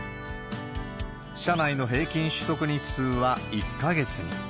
社内の平均取得日数は１か月に。